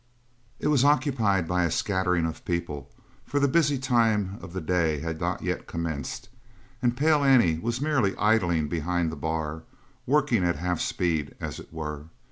It was occupied by a scattering of people, for the busy time of the day had not yet commenced and Pale Annie was merely idling behind the bar working at half speed, as it were.